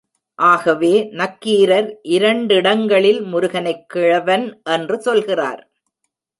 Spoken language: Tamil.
ஆகவே, நக்கீரர் இரண்டிடங்களில் முருகனைக் கிழவன் என்று சொல்கிறார்.